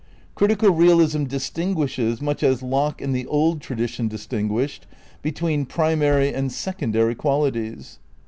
Critical realism distinguishes, much as Locke and the old tradition distinguished, between primary and sec ondary qualities.